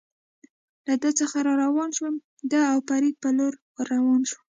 له ده څخه را روان شوم، د او فرید په لور ور روان شوم.